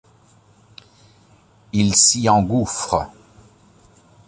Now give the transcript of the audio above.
Il s’y engouffre.